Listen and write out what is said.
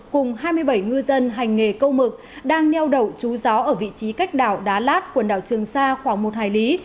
cùng hai mươi bảy ngư dân hành nghề câu mực đang neo đậu chú gió ở vị trí cách đảo đá lát quần đảo trường sa khoảng một hải lý